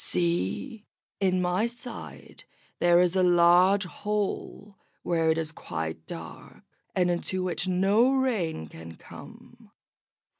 See! in my side there is a large hole where it is quite dark, and into which no rain can come.